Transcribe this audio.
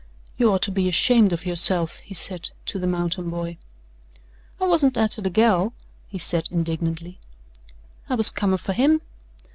"You ought to be ashamed of yourself," he said to the mountain boy. "I wasn't atter the gal," he said indignantly. "I was comin' fer him."